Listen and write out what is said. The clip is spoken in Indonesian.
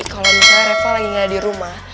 kalau misalnya reva lagi gak ada di rumah